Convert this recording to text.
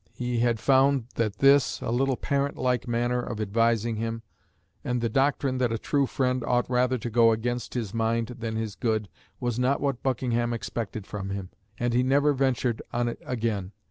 He had found that this, "a little parent like" manner of advising him, and the doctrine that a true friend "ought rather to go against his mind than his good," was not what Buckingham expected from him. And he never ventured on it again.